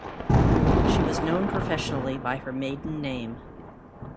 She was known professionally by her maiden name.